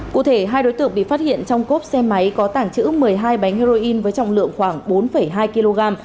cụ thể hai đối tượng bị phát hiện trong cốp xe máy có tàng trữ một mươi hai bánh heroin với trọng lượng khoảng bốn hai kg